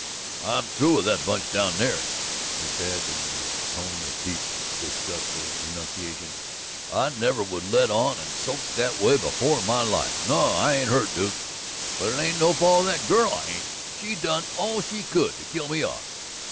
"I'm through with that bunch down there," he said in the tone of deep, disgustful renunciation. "I never was led on and soaked that way before in my life. No, I ain't hurt, Duke, but it ain't no fault of that girl I ain't. She done all she could to kill me off."